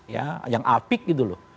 ya yang apik gitu loh